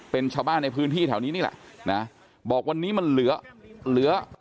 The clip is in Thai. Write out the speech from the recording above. เป็นชาวบ้านในพื้นที่แถวนี้นี่แหละนะบอกวันนี้มันเหลือเหลือ